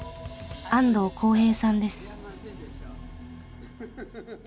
安藤紘平さんです。